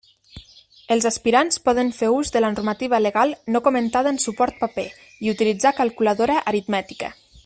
Els aspirants poden fer ús de la normativa legal no comentada en suport paper i utilitzar calculadora aritmètica.